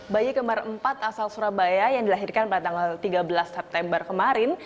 bayi kembar empat asal surabaya yang dilahirkan pada tanggal tiga belas september kemarin